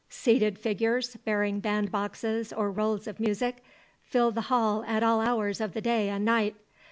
Seated figures, bearing band boxes or rolls of music, filled the hall at all hours of the day and night.